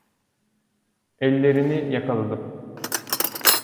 Ellerini yakaladım.